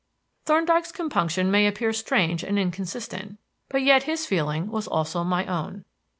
Thorndyke's compunction may appear strange and inconsistent, but yet his feeling was also my own.